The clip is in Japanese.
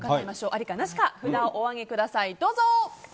ありかなしか札をお上げください。